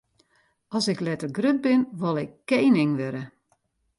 As ik letter grut bin, wol ik kening wurde.